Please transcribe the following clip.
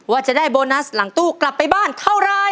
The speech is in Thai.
ว่าจะได้โบนัสหลังตู้กลับไปบ้านเท่าไร